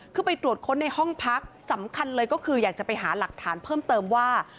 คือไปตรวจค้นในห้องพักสำคัญเลยก็คืออยากจะไปหาหลักฐานเพิ่มเติมว่า